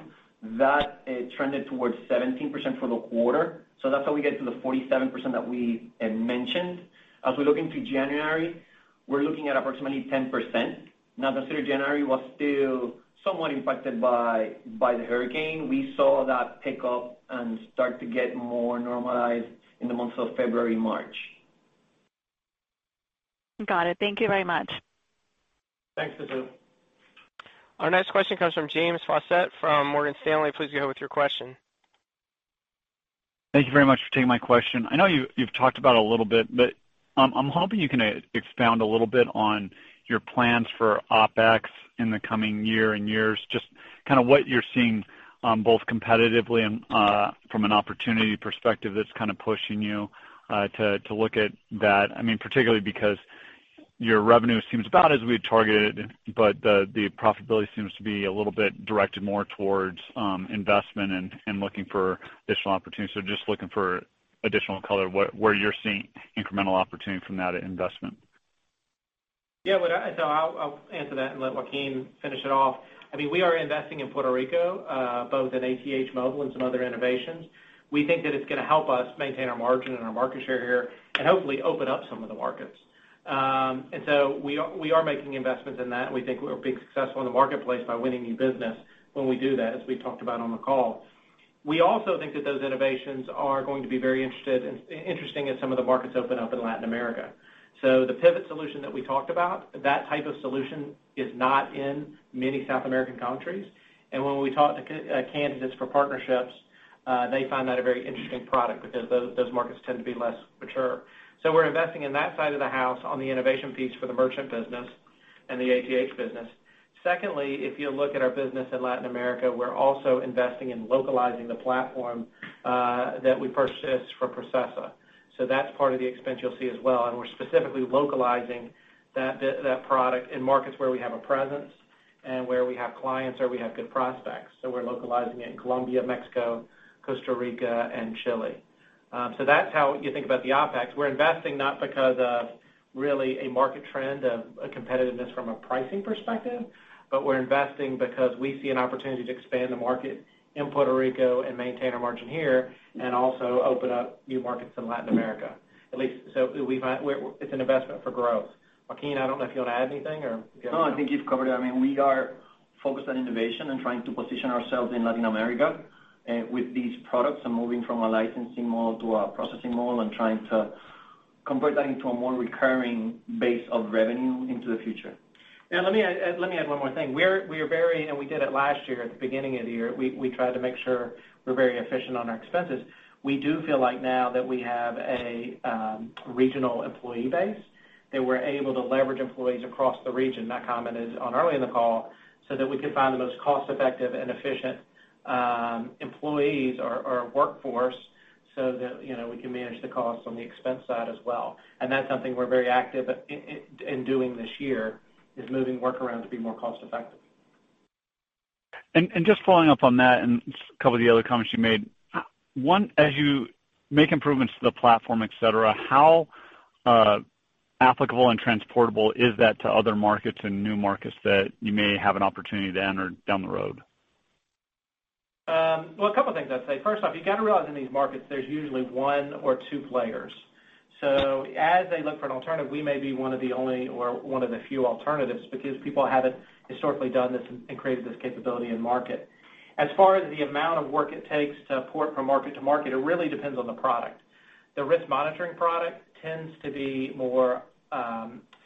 That trended towards 17% for the quarter. That's how we get to the 47% that we had mentioned. As we look into January, we're looking at approximately 10%. Consider January was still somewhat impacted by the hurricane. We saw that pick up and start to get more normalized in the months of February, March. Got it. Thank you very much. Thanks, Vasu. Our next question comes from James Faucette from Morgan Stanley. Please go ahead with your question. Thank you very much for taking my question. I know you've talked about it a little bit, but I'm hoping you can expound a little bit on your plans for OpEx in the coming year and years. Just what you're seeing both competitively and from an opportunity perspective that's kind of pushing you to look at that. Particularly because your revenue seems about as we had targeted, but the profitability seems to be a little bit directed more towards investment and looking for additional opportunities. Just looking for additional color where you're seeing incremental opportunity from that investment. Yeah. I'll answer that and let Joaquin finish it off. We are investing in Puerto Rico, both in ATH Móvil and some other innovations. We think that it's going to help us maintain our margin and our market share here and hopefully open up some of the markets. We are making investments in that, and we think we'll be successful in the marketplace by winning new business when we do that, as we talked about on the call. We also think that those innovations are going to be very interesting as some of the markets open up in Latin America. The Pvot solution that we talked about, that type of solution is not in many South American countries. When we talk to candidates for partnerships, they find that a very interesting product because those markets tend to be less mature. We're investing in that side of the house on the innovation piece for the merchant business and the ATH business. Secondly, if you look at our business in Latin America, we're also investing in localizing the platform that we purchased from Processa. That's part of the expense you'll see as well, and we're specifically localizing that product in markets where we have a presence and where we have clients or we have good prospects. We're localizing it in Colombia, Mexico, Costa Rica and Chile. That's how you think about the OpEx. We're investing not because of really a market trend of a competitiveness from a pricing perspective, but we're investing because we see an opportunity to expand the market in Puerto Rico and maintain our margin here and also open up new markets in Latin America. It's an investment for growth. Joaquin, I don't know if you want to add anything or? No, I think you've covered it. We are focused on innovation and trying to position ourselves in Latin America with these products and moving from a licensing model to a processing model and trying to convert that into a more recurring base of revenue into the future. Let me add one more thing. We are very, and we did it last year at the beginning of the year, we tried to make sure we're very efficient on our expenses. We do feel like now that we have a regional employee base, that we're able to leverage employees across the region, that comment is on early in the call, that we can find the most cost-effective and efficient employees or workforce that we can manage the costs on the expense side as well. That's something we're very active in doing this year, is moving work around to be more cost-effective. Just following up on that and a couple of the other comments you made. One, as you make improvements to the platform, et cetera, how applicable and transportable is that to other markets and new markets that you may have an opportunity to enter down the road? Well, a couple of things I'd say. First off, you got to realize in these markets, there's usually one or two players. As they look for an alternative, we may be one of the only or one of the few alternatives because people haven't historically done this and created this capability in market. As far as the amount of work it takes to port from market to market, it really depends on the product. The risk monitoring product tends to be more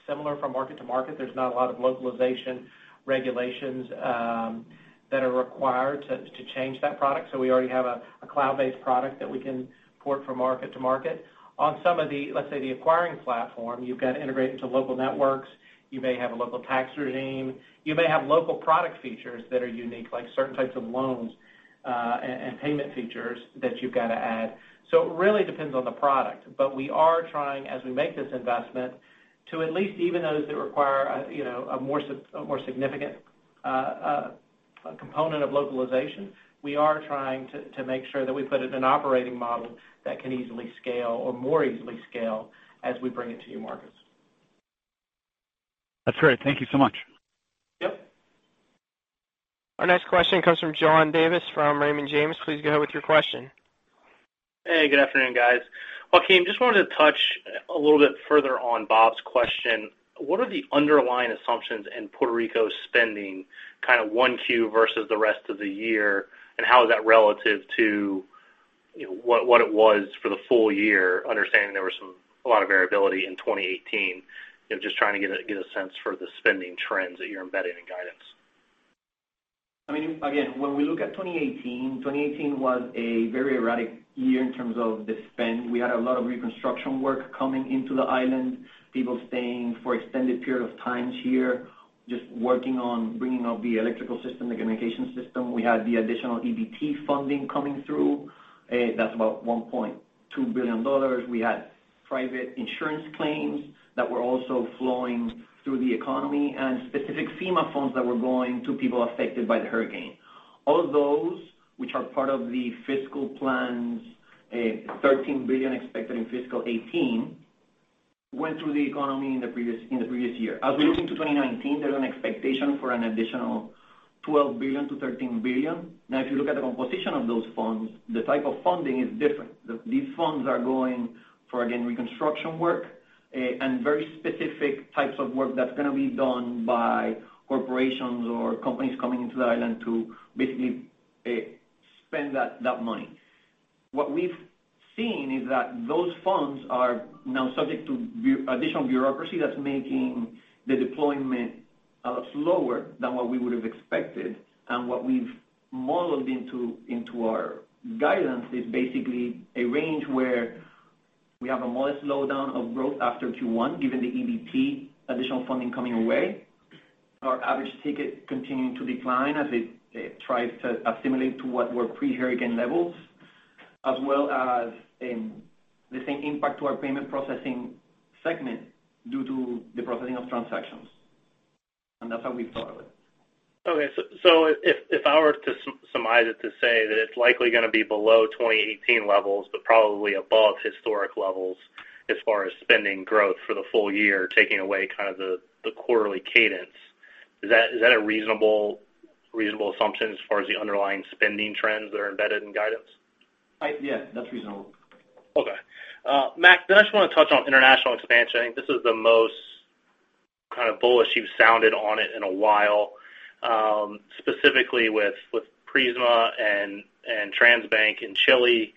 similar from market to market. There's not a lot of localization regulations that are required to change that product. We already have a cloud-based product that we can port from market to market. On some of the, let's say the acquiring platform, you've got to integrate into local networks. You may have a local tax regime. You may have local product features that are unique, like certain types of loans and payment features that you've got to add. It really depends on the product. We are trying, as we make this investment, to at least even those that require a more significant component of localization, we are trying to make sure that we put in an operating model that can easily scale or more easily scale as we bring it to new markets. That's great. Thank you so much. Yep. Our next question comes from John Davis from Raymond James. Please go ahead with your question. Hey, good afternoon, guys. Joaquin, just wanted to touch a little bit further on Bob's question. What are the underlying assumptions in Puerto Rico spending kind of 1Q versus the rest of the year, and how is that relative to what it was for the full year, understanding there was a lot of variability in 2018. Just trying to get a sense for the spending trends that you're embedding in guidance. Again, when we look at 2018 was a very erratic year in terms of the spend. We had a lot of reconstruction work coming into the island, people staying for extended period of times here, just working on bringing up the electrical system, the communication system. We had the additional EBT funding coming through. That's about $1.2 billion. We had private insurance claims that were also flowing through the economy and specific FEMA funds that were going to people affected by the hurricane. All of those, which are part of the fiscal plans, $13 billion expected in fiscal 2018, went through the economy in the previous year. As we look into 2019, there's an expectation for an additional $12 billion-$13 billion. Now, if you look at the composition of those funds, the type of funding is different. These funds are going for, again, reconstruction work and very specific types of work that's going to be done by corporations or companies coming into the island to basically spend that money. What we've seen is that those funds are now subject to additional bureaucracy that's making the deployment a lot slower than what we would've expected. What we've modeled into our guidance is basically a range where we have a modest slowdown of growth after Q1, given the EBT additional funding coming away. Our average ticket continuing to decline as it tries to assimilate to what were pre-hurricane levels, as well as the same impact to our payment processing segment due to the processing of transactions. That's how we've thought of it. Okay. If I were to summarize it to say that it's likely going to be below 2018 levels, but probably above historic levels as far as spending growth for the full year, taking away kind of the quarterly cadence. Is that a reasonable assumption as far as the underlying spending trends that are embedded in guidance? Yeah, that's reasonable. Okay. Mac, I just want to touch on international expansion. I think this is the most kind of bullish you've sounded on it in a while, specifically with Prisma and Transbank in Chile,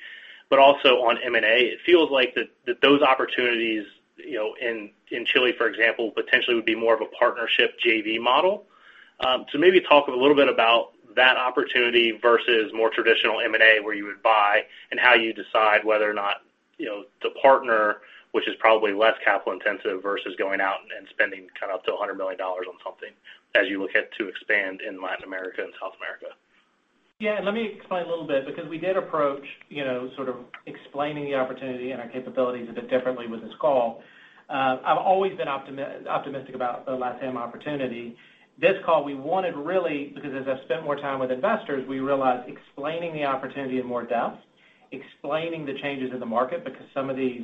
but also on M&A. It feels like that those opportunities in Chile, for example, potentially would be more of a partnership JV model. Maybe talk a little bit about that opportunity versus more traditional M&A, where you would buy and how you decide whether or not to partner, which is probably less capital intensive versus going out and spending up to $100 million on something as you look to expand in Latin America and South America. Yeah, let me explain a little bit because we did approach sort of explaining the opportunity and our capabilities a bit differently with this call. I've always been optimistic about the LatAm opportunity. This call we wanted really because as I've spent more time with investors, we realized explaining the opportunity in more depth, explaining the changes in the market because some of these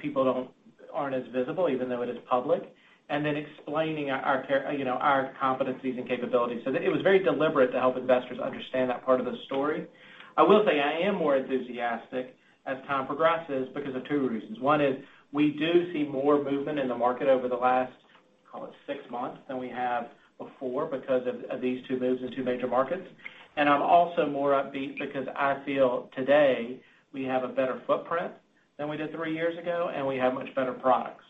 people aren't as visible even though it is public, and then explaining our competencies and capabilities. It was very deliberate to help investors understand that part of the story. I will say I am more enthusiastic as time progresses because of two reasons. One is we do see more movement in the market over the last, call it six months than we have before because of these two moves in two major markets. I'm also more upbeat because I feel today we have a better footprint than we did three years ago, and we have much better products.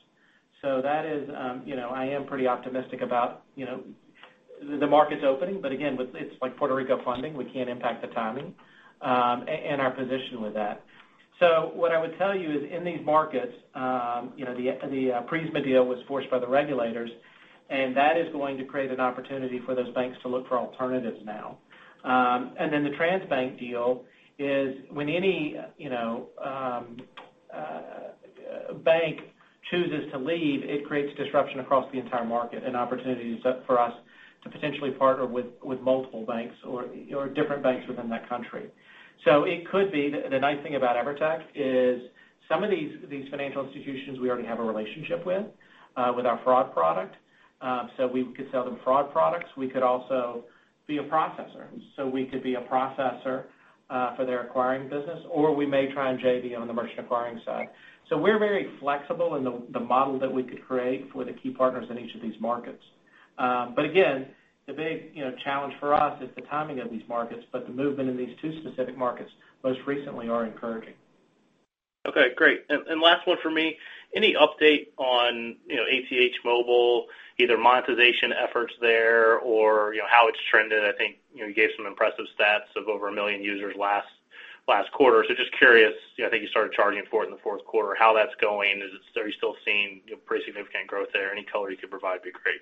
I am pretty optimistic about the markets opening. Again, it's like Puerto Rico funding. We can't impact the timing and our position with that. What I would tell you is in these markets, the Prisma deal was forced by the regulators, and that is going to create an opportunity for those banks to look for alternatives now. The Transbank deal is when any bank chooses to leave, it creates disruption across the entire market and opportunities for us to potentially partner with multiple banks or different banks within that country. It could be the nice thing about Evertec is some of these financial institutions we already have a relationship with our fraud product. We could sell them fraud products. We could also be a processor. We could be a processor for their acquiring business, or we may try and JV on the merchant acquiring side. We're very flexible in the model that we could create for the key partners in each of these markets. Again, the big challenge for us is the timing of these markets, but the movement in these two specific markets most recently are encouraging. Okay, great. Last one for me. Any update on ATH Móvil, either monetization efforts there or how it's trended? I think you gave some impressive stats of over a million users last quarter. Just curious. I think you started charging for it in the fourth quarter. How that's going? Are you still seeing pretty significant growth there? Any color you could provide would be great.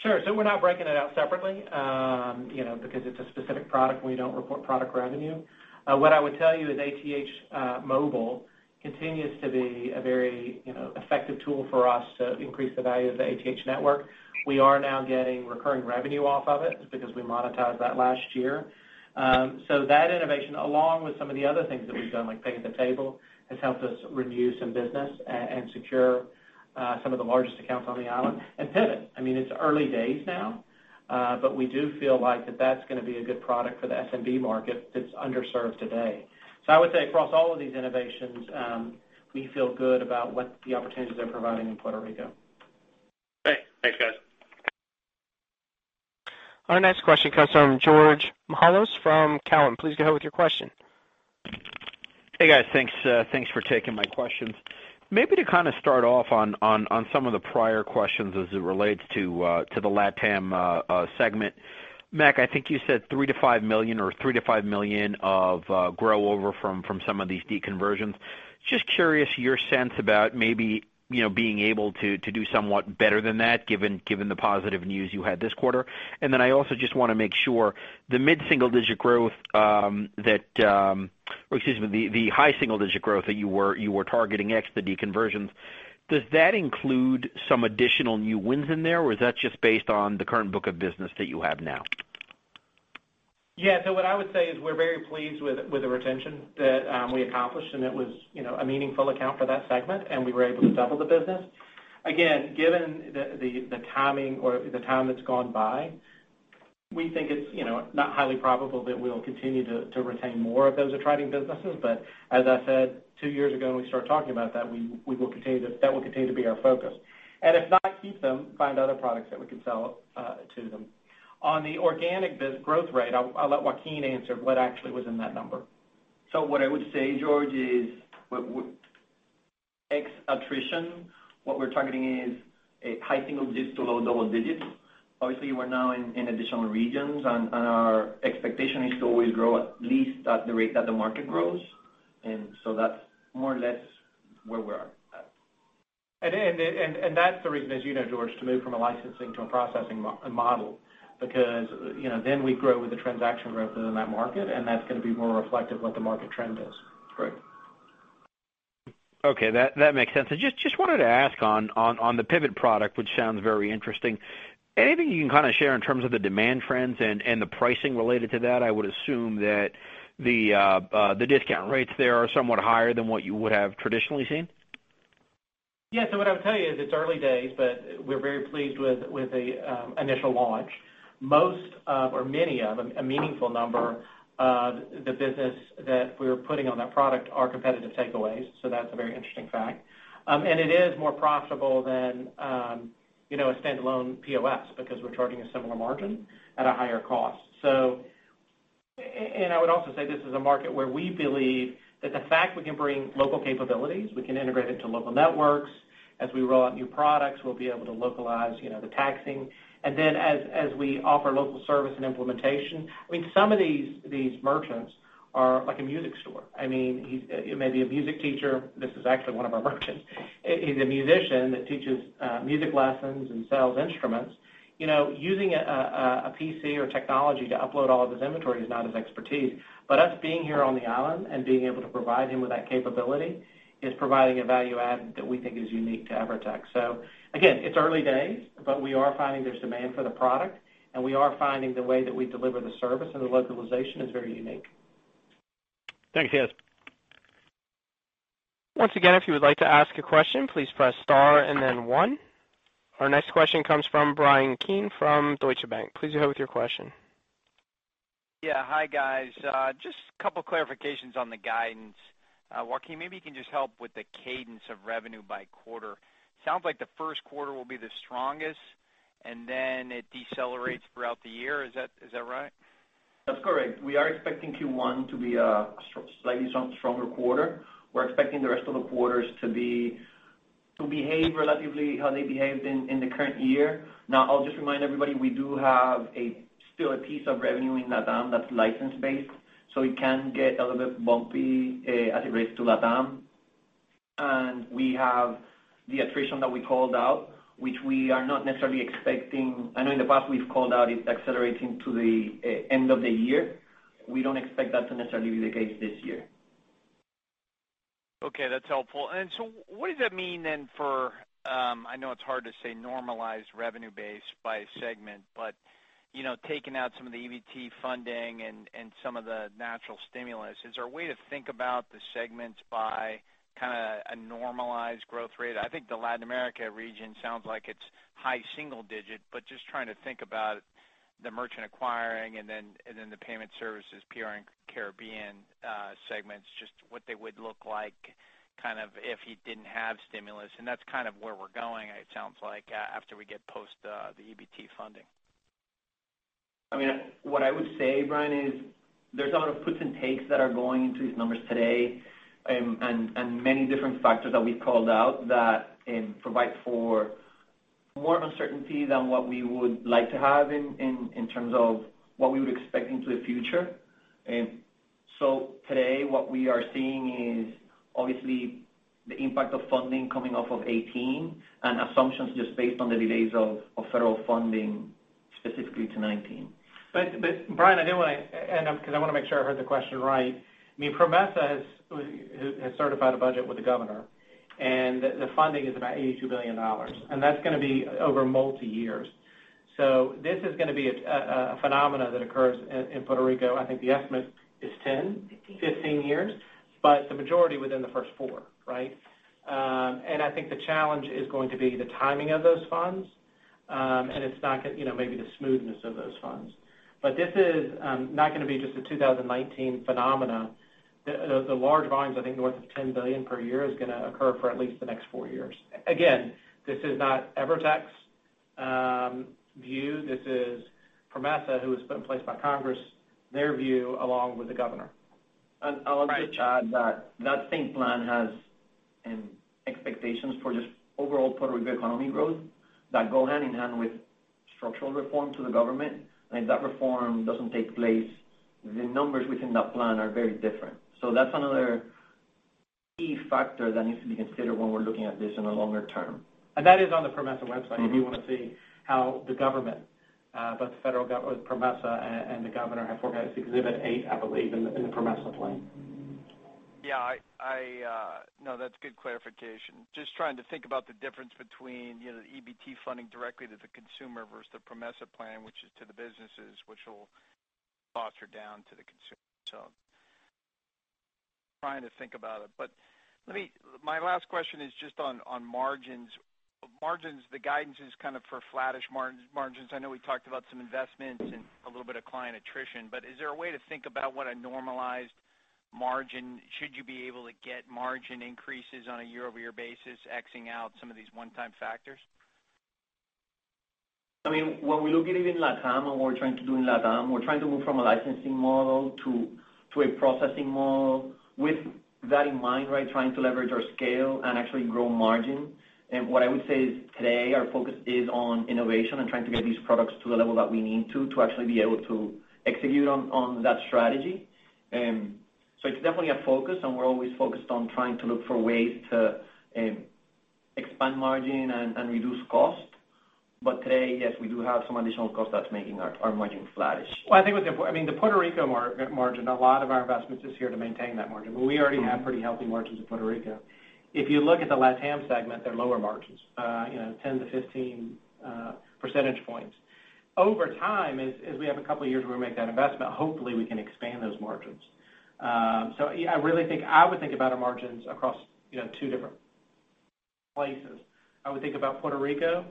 Sure. We're not breaking it out separately because it's a specific product and we don't report product revenue. What I would tell you is ATH Móvil continues to be a very effective tool for us to increase the value of the ATH network. We are now getting recurring revenue off of it because we monetized that last year. That innovation along with some of the other things that we've done, like pay at the table, has helped us renew some business and secure some of the largest accounts on the island and Pvot. It's early days now, but we do feel like that that's going to be a good product for the SMB market that's underserved today. I would say across all of these innovations we feel good about what the opportunities they're providing in Puerto Rico. Great. Thanks, guys. Our next question comes from Georgios Mihalos from Cowen. Please go ahead with your question. Hey, guys. Thanks for taking my questions. Maybe to kind of start off on some of the prior questions as it relates to the LatAm segment. Mac, I think you said $3 million-$5 million of grow over from some of these de-conversions. Just curious, your sense about maybe being able to do somewhat better than that given the positive news you had this quarter. I also just want to make sure, the mid-single-digit growth that— or excuse me, the high single-digit growth that you were targeting ex the de-conversions, does that include some additional new wins in there, or is that just based on the current book of business that you have now? What I would say is we're very pleased with the retention that we accomplished. It was a meaningful account for that segment. We were able to double the business. Again, given the timing or the time that's gone by, we think it's not highly probable that we'll continue to retain more of those attriting businesses. As I said, two years ago when we started talking about that will continue to be our focus. If not keep them, find other products that we can sell to them. On the organic growth rate, I'll let Joaquin answer what actually was in that number. What I would say, George, is ex attrition, what we're targeting is a high single-digit to low double-digits. Obviously, we're now in additional regions. Our expectation is to always grow at least at the rate that the market grows. That's more or less where we are at. That's the reason, as you know George, to move from a licensing to a processing model because then we grow with the transaction growth within that market. That's going to be more reflective of what the market trend is. Right. Okay. That makes sense. Just wanted to ask on the Pvot product, which sounds very interesting, anything you can kind of share in terms of the demand trends and the pricing related to that? I would assume that the discount rates there are somewhat higher than what you would have traditionally seen. Yeah. What I would tell you is it's early days, but we're very pleased with the initial launch. Most of, or many of them, a meaningful number of the business that we're putting on that product are competitive takeaways. That's a very interesting fact. It is more profitable than a standalone POS because we're charging a similar margin at a higher cost. I would also say this is a market where we believe that the fact we can bring local capabilities, we can integrate it to local networks, as we roll out new products we'll be able to localize the taxing. As we offer local service and implementation, some of these merchants are like a music store. It may be a music teacher. This is actually one of our merchants. He's a musician that teaches music lessons and sells instruments. Using a PC or technology to upload all of his inventory is not his expertise. Us being here on the island and being able to provide him with that capability is providing a value add that we think is unique to Evertec. Again, it's early days, but we are finding there's demand for the product, and we are finding the way that we deliver the service and the localization is very unique. Thanks. Cheers. Once again, if you would like to ask a question, please press star and then one. Our next question comes from Bryan Keane from Deutsche Bank. Please go ahead with your question. Yeah. Hi, guys. Just a two clarifications on the guidance. Joaquin, maybe you can just help with the cadence of revenue by quarter. Sounds like the first quarter will be the strongest and then it decelerates throughout the year. Is that right? That is correct. We are expecting Q1 to be a slightly stronger quarter. We are expecting the rest of the quarters to behave relatively how they behaved in the current year. I will just remind everybody, we do have still a piece of revenue in LatAm that is license-based, so it can get a little bit bumpy as it relates to LatAm. We have the attrition that we called out, which we are not necessarily expecting, I know in the past we have called out it is accelerating to the end of the year. We do not expect that to necessarily be the case this year. Okay. That is helpful. What does that mean then for, I know it is hard to say normalized revenue base by segment, but taking out some of the EBT funding and some of the natural stimulus, is there a way to think about the segments by kind of a normalized growth rate? I think the Latin America region sounds like it is high single-digit, but just trying to think about the merchant acquiring and then the payment services, PR and Caribbean segments, just what they would look like if you did not have stimulus. That is kind of where we are going, it sounds like, after we get post the EBT funding. What I would say, Bryan, is there is a lot of puts and takes that are going into these numbers today and many different factors that we have called out that provide for more uncertainty than what we would like to have in terms of what we would expect into the future. Today, what we are seeing is obviously the impact of funding coming off of 2018 and assumptions just based on the delays of federal funding specifically to 2019. Bryan, I did want to end up because I want to make sure I heard the question right. PROMESA has certified a budget with the governor, and the funding is about $82 billion, and that's going to be over multi years. This is going to be a phenomena that occurs in Puerto Rico. I think the estimate is 10- 15 15 years, the majority within the first four, right? I think the challenge is going to be the timing of those funds, and maybe the smoothness of those funds. This is not going to be just a 2019 phenomena. The large volumes, I think north of $10 billion per year, is going to occur for at least the next four years. This is not Evertec's view. This is PROMESA, who was put in place by Congress, their view, along with the governor. I'll just add that that same plan has expectations for just overall Puerto Rico economy growth that go hand-in-hand with structural reform to the government. If that reform doesn't take place, the numbers within that plan are very different. That's another key factor that needs to be considered when we're looking at this in a longer term. That is on the PROMESA website if you want to see how the government, both PROMESA and the governor, have forecast. Exhibit eight, I believe, in the PROMESA plan. No, that's good clarification. Just trying to think about the difference between the EBT funding directly to the consumer versus the PROMESA plan, which is to the businesses, which will foster down to the consumer. Trying to think about it. My last question is just on margins. Margins, the guidance is kind of for flattish margins. I know we talked about some investments and a little bit of client attrition, but is there a way to think about what a normalized margin? Should you be able to get margin increases on a year-over-year basis, X-ing out some of these one-time factors? When we look at it in LatAm and what we're trying to do in LatAm, we're trying to move from a licensing model to a processing model. With that in mind, trying to leverage our scale and actually grow margin. What I would say is today, our focus is on innovation and trying to get these products to the level that we need to actually be able to execute on that strategy. It's definitely a focus, and we're always focused on trying to look for ways to expand margin and reduce cost. Today, yes, we do have some additional cost that's making our margin flattish. I think what's important, the Puerto Rico margin, a lot of our investments is here to maintain that margin. We already have pretty healthy margins in Puerto Rico. If you look at the LatAm segment, they're lower margins, 10 to 15 percentage points. Over time, as we have a couple of years where we make that investment, hopefully, we can expand those margins. I would think about our margins across two different places. I would think about Puerto Rico.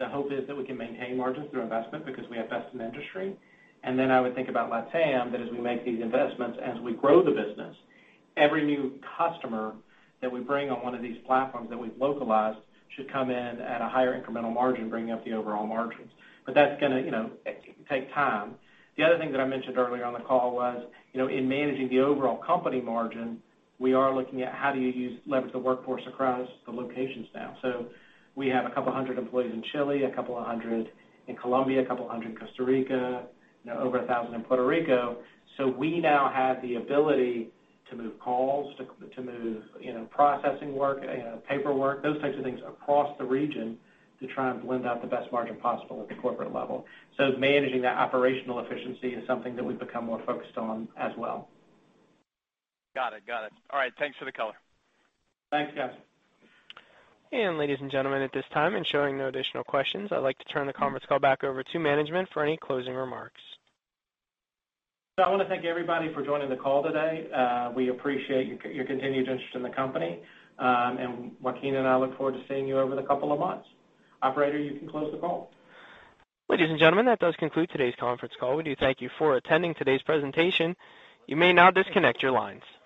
The hope is that we can maintain margins through investment because we have best in industry. Then I would think about LatAm, that as we make these investments, as we grow the business, every new customer that we bring on one of these platforms that we've localized should come in at a higher incremental margin, bringing up the overall margins. That's going to take time. The other thing that I mentioned earlier on the call was in managing the overall company margin, we are looking at how do you leverage the workforce across the locations now. We have a couple of hundred employees in Chile, a couple of hundred in Colombia, a couple of hundred in Costa Rica, over 1,000 in Puerto Rico. We now have the ability to move calls, to move processing work, paperwork, those types of things, across the region to try and blend out the best margin possible at the corporate level. Managing that operational efficiency is something that we've become more focused on as well. Got it. All right. Thanks for the color. Thanks, guys. Ladies and gentlemen, at this time, and showing no additional questions, I'd like to turn the conference call back over to management for any closing remarks. I want to thank everybody for joining the call today. We appreciate your continued interest in the company. Joaquin and I look forward to seeing you over the couple of months. Operator, you can close the call. Ladies and gentlemen, that does conclude today's conference call. We do thank you for attending today's presentation. You may now disconnect your lines.